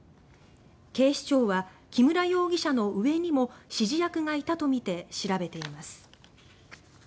警視庁は木村容疑者の上にも指示役がいたとみて調べています。